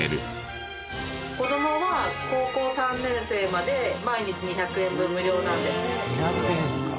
子どもは高校３年生まで毎日２００円分無料なんです。